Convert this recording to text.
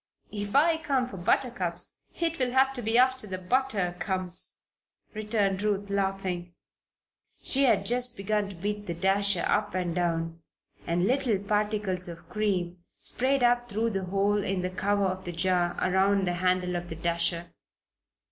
"If I come for buttercups it will have to be after the butter comes!" returned Ruth, laughing. She had begun to beat the dasher up and down and little particles of cream sprayed up through the hole in the cover of the jar, around the handle of the dasher.